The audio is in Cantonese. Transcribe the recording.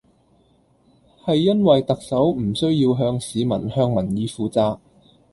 係因為特首唔需要向市民向民意負責